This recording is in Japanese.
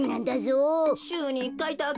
しゅうに１かいだけ？